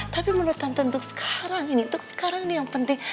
tapi menurut tante untuk sekarang ini untuk sekarang ini yang penting